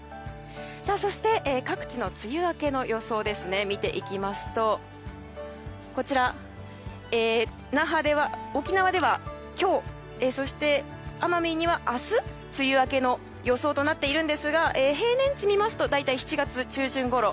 そして、各地の梅雨明けの予想を見ていきますと沖縄では今日そして、奄美には明日梅雨明けの予想となっているんですが平年値を見ますと大体７月中旬ごろ。